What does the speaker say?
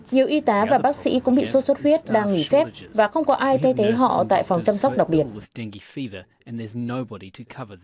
nhiều y tá và bác sĩ cũng bị sốt xuất huyết đang nghỉ phép và không có ai thay thế họ tại phòng chăm sóc đặc biệt